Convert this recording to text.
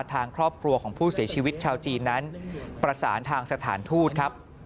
ทางครอบครัวของผู้เสียชีวิตชาวจีนนั้นประสานทางสถานทูตครับ